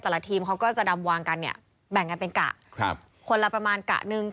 แต่ละทีมเขาก็จะดำวางกันเนี่ยแบ่งกันเป็นกะคนละประมาณกะหนึ่ง